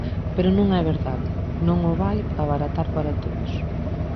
Pero non é verdade, non o vai abaratar para todos.